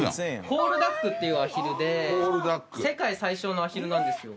コールダックっていうアヒルで世界最小のアヒルなんですよ。